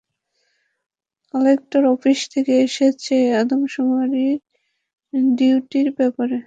Collector office থেকে এসেছে, আদমশুমারির ডিউটির ব্যাপারে।